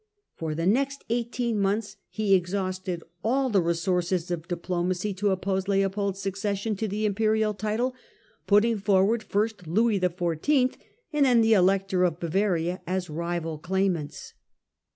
For the next eighteen months he exhausted all the resources of diplomacy to oppose Leopold's succession to the imperial title, putting forward first Louis XIV., and then the Elector of Bavaria, as rival claimants.